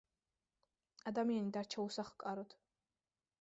ადამიანი დარჩა უსახლკაროდ.